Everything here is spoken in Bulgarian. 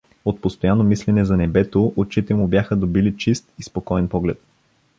От постоянно мислене за небето очите му бяха добили чист и спокоен поглед.